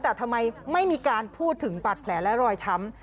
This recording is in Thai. แต่ทำไมไม่มีการพูดถึงบาดแผลและรอยช้ำ